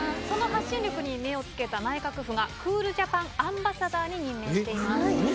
その発信力に目を付けた内閣府がクールジャパン・アンバサダーに任命しています。